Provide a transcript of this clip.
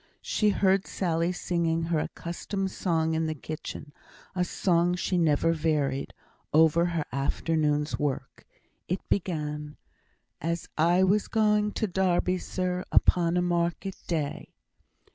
She heard Sally singing her accustomed song in the kitchen, a song she never varied over her afternoon's work. It began, As I was going to Derby, sir, Upon a market day.